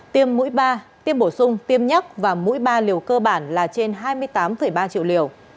tiêm mũi ba tiêm bổ sung tiêm nhắc và mũi ba liều cơ bản là trên hai mươi tám ba triệu liều